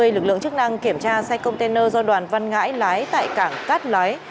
lực lượng chức năng kiểm tra xe container do đoàn văn ngãi lái tại cảng cát lái